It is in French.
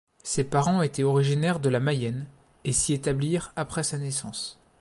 Ses parents étaient originaires de la Mayenne et s'y établirent après sa naissance.